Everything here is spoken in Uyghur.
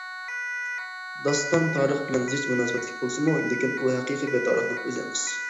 داستان تارىخ بىلەن زىچ مۇناسىۋەتلىك بولسىمۇ، لېكىن ئۇ ھەقىقىي بىر تارىخنىڭ ئۆزى ئەمەس.